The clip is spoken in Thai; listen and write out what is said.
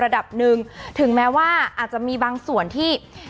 ระดับหนึ่งถึงแม้ว่าอาจจะมีบางส่วนที่